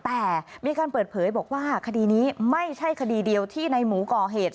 แต่มีการเปิดเผยบอกว่าคดีนี้ไม่ใช่คดีเดียวที่ในหมูก่อเหตุ